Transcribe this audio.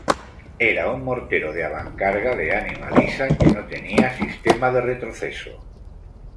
Era un mortero de avancarga, de ánima lisa, que no tenía sistema de retroceso.